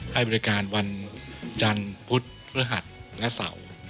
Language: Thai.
ให้บริการวันจันทร์พุธพฤหัสและเสาร์